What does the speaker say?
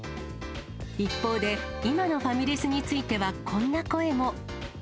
一方で、今のファミレスについては、こんな声も。